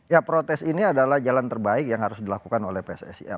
ya protes ini adalah jalan terbaik yang harus dilakukan oleh pssi